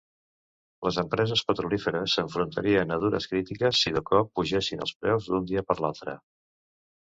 Les empreses petrolíferes s'enfrontarien a dures crítiques si de cop pugessin els preus d'un dia per l'altre.